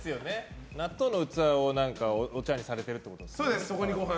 納豆の器をお茶わんにされてるってことですよね。